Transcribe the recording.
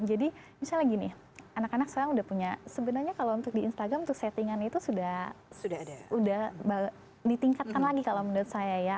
jadi misalnya gini anak anak sekarang sudah punya sebenarnya kalau untuk di instagram untuk settingan itu sudah ditingkatkan lagi kalau menurut saya ya